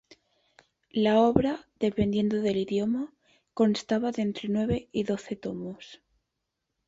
La obra, dependiendo del idioma, constaba de entre nueve y doce tomos.